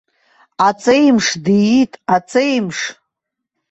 Аҵеимш диит, аҵеимш!